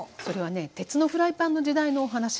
それはね鉄のフライパンの時代のお話。